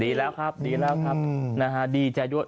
ดีแล้วครับดีแล้วครับนะฮะดีใจด้วย